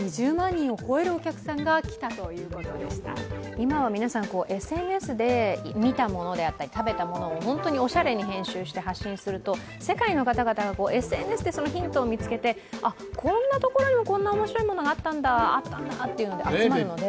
今は皆さん、ＳＮＳで見たものであったり、食べたものをおしゃれに編集して発信すると世界の方々がＳＮＳでそのヒントを見つけてこんなところにも、こんなおもしろいものがあったんだと集まるので。